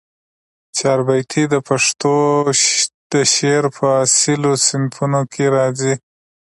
چاربیتې د پښتو د شعر په اصیلو صنفونوکښي راځي